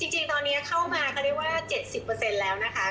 จริงตอนนี้เข้ามาก็เรียกว่า๗๐แล้วนะคะ